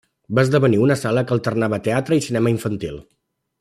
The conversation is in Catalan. Va esdevenir una sala que alternava teatre i cinema infantil.